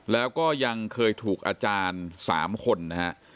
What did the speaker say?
แล้วก็ยังเคยถูกอาจารย์๓คนนะฮะ